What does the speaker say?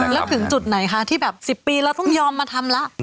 แล้วถึงจุดไหนคะที่แบบ๑๐ปีเราต้องยอมมาทำละ